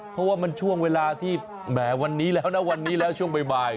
เพราะว่ามันช่วงเวลาที่แหมวันนี้แล้วนะวันนี้แล้วช่วงบ่าย